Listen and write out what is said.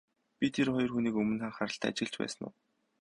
Би тэр хоёр хүнийг өмнө нь анхааралтай ажиглаж байсан уу?